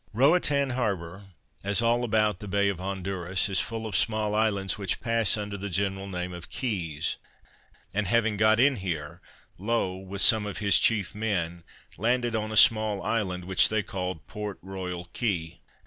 Roatan harbour, as all about the Bay of Honduras, is full of small islands, which pass under the general name of Keys; and having got in here, Low, with some of his chief men, landed on a small island, which they called Port Royal Key.